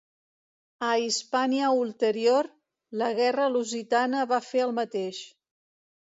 A Hispània Ulterior, la guerra lusitana va fer el mateix.